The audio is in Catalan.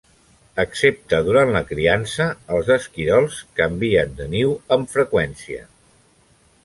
Excepte durant la criança, els esquirols canvien de niu amb freqüència.